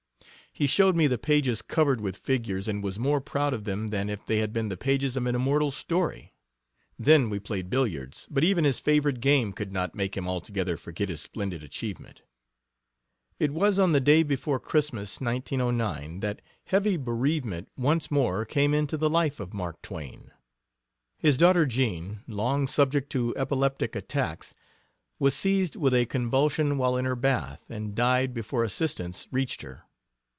He showed me the pages covered with figures, and was more proud of them than if they had been the pages of an immortal story. Then we played billiards, but even his favorite game could not make him altogether forget his splendid achievement. It was on the day before Christmas, 1909, that heavy bereavement once more came into the life of Mark Twain. His daughter Jean, long subject to epileptic attacks, was seized with a convulsion while in her bath and died before assistance reached her.